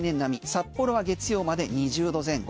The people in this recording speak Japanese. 札幌は月曜まで２０度前後。